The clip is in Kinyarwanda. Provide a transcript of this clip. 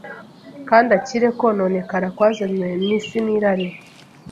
kandi akire kononekara kwazanywe mu isi n’irari.